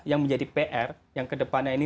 yang menjadi pr yang kedepannya ini